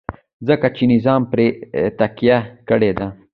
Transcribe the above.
ځکه چې نظام پرې تکیه کړې ده.